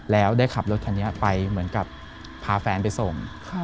แล้วได้ขับรถคันนี้ไปเหมือนกับพาแฟนไปส่ง